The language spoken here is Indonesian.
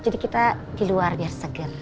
jadi kita di luar biar segar